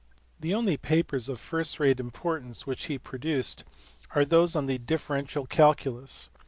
The only papers of first rate importance which he produced are those on the differential calculus.